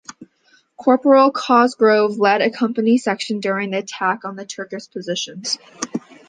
Corporal Cosgrove led a company section during the attack on the Turkish positions.